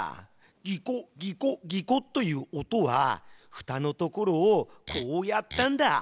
「ギコギコギコ」という音はふたの所をこうやったんだ。